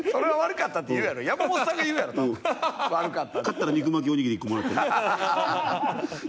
勝ったら肉巻きおにぎり１個もらってね。